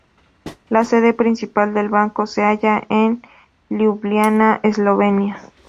La sede principal del banco se halla en Liubliana, Eslovenia.